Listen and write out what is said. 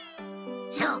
そう。